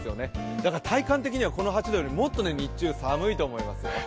だから体感的にはこの８度よりもっと日中寒いと思いますよ。